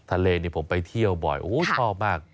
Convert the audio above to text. ทะเลผมไปเที่ยวบ่อยชอบมาก